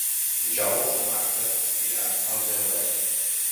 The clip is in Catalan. Dijous na Marta irà al Genovés.